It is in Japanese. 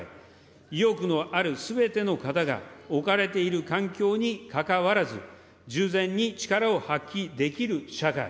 意欲のあるすべての方が置かれている環境にかかわらず、十全に力を発揮できる社会。